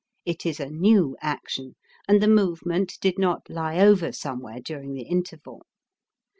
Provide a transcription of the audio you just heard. It is a new action, and the movement did not lie over somewhere during the interval.